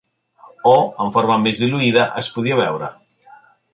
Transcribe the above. O, en forma més diluïda, es podia beure.